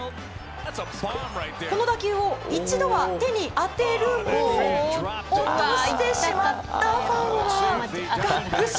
この打球を一度は手に当てるも落としてしまったファンはがっくし。